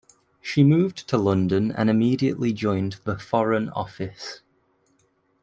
She moved to London and immediately joined the Foreign Office.